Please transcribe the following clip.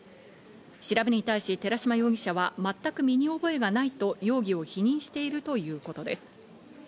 調べに対し寺島容疑者は全く身に覚えがないと容疑を否認しているということです。